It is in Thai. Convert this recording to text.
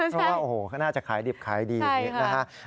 เพราะว่าโอ้โหเขาน่าจะขายดิบขายดีอย่างนี้นะฮะ